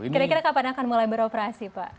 kira kira kapan akan mulai beroperasi pak